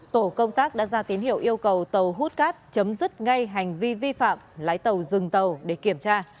tổ công tác đã ra tín hiệu yêu cầu tàu hút cát chấm dứt ngay hành vi vi phạm lái tàu dừng tàu để kiểm tra